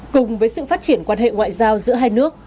cùng với sự phát triển quan hệ ngoại giao giữa hai nước